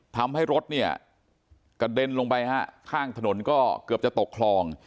ทำให้รถเนี่ยกระเด็นลงไปฮะข้างถนนก็เกือบจะตกคลอง